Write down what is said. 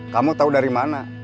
kamu tahu dari mana